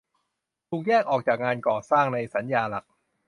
ถูกแยกออกจากงานก่อสร้างในสัญญาหลัก